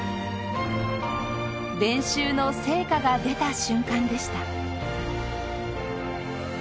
練習の成果が出た瞬間でした。